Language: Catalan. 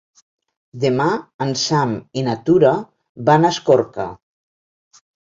Demà en Sam i na Tura van a Escorca.